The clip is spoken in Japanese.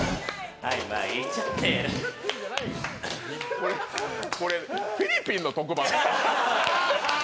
これ、フィリピンの特番？